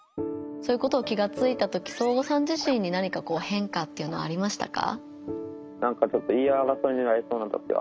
そういうことを気がついたときそーごさん自身に何かこう変化っていうのありましたか？